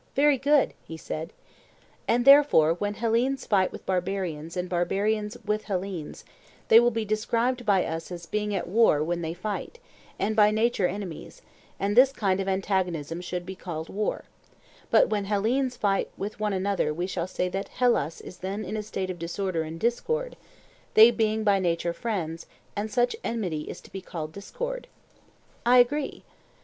Very good, he said. And therefore when Hellenes fight with barbarians and barbarians with Hellenes, they will be described by us as being at war when they fight, and by nature enemies, and this kind of antagonism should be called war; but when Hellenes fight with one another we shall say that Hellas is then in a state of disorder and discord, they being by nature friends; and such enmity is to be called discord. I agree.